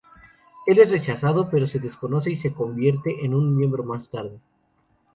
Él es rechazado, pero se desconoce si se convierte en un miembro más tarde.